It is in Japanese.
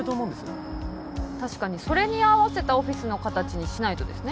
うん確かにそれに合わせたオフィスの形にしないとですね。